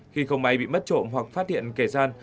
khi không may bị mất trộm hoặc phát hiện kẻ gian